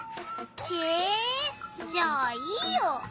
ちぇじゃあいいよ